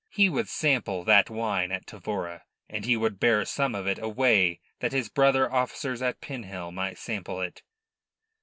He would sample that wine at Tavora; and he would bear some of it away that his brother officers at Pinhel might sample it.